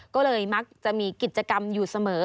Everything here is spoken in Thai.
ก็เลยมักจะมีกิจกรรมอยู่เสมอ